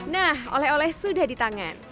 nah oleh oleh sudah di tangan